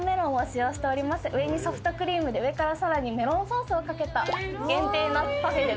上にソフトクリームで上からさらにメロンソースをかけた限定のパフェで。